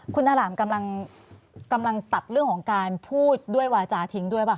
คุณอารามกำลังตัดเรื่องของการพูดด้วยวาจาทิ้งด้วยป่